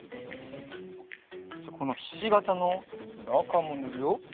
このひしがたのなかもぬるよ。